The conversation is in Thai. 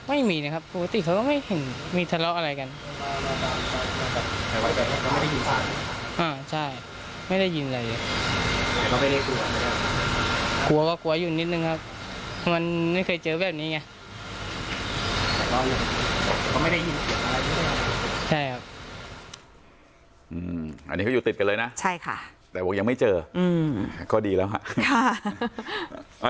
อันนี้เขาอยู่ติดกันเลยนะแต่ว่ายังไม่เจอก็ดีแล้วค่ะ